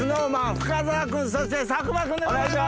深澤君そして佐久間君でございます。